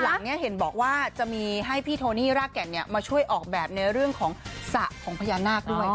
หลังเนี่ยเห็นบอกว่าจะมีให้พี่โทนี่รากแก่นมาช่วยออกแบบในเรื่องของสระของพญานาคด้วย